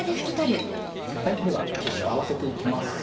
では生地を合わせていきます。